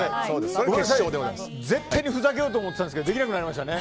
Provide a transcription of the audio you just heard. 絶対にふざけようと思っていたんですけどできなくなりましたね。